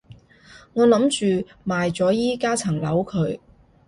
我諗住賣咗依加層樓佢